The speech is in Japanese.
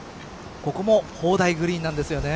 ここも砲台グリーンなんですよね。